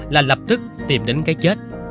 là lập tức tìm đến cái chết